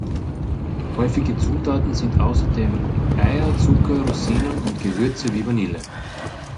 Häufige Zutaten sind außerdem Eier, Zucker, Rosinen und Gewürze wie Vanille.